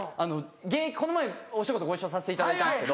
この前お仕事ご一緒させていただいたんですけど。